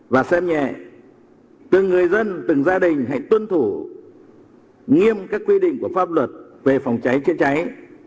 và xem nhẹ từng người dân từng gia đình hãy tuân thủ nghiêm các quy định của pháp luật về phòng cháy chữa cháy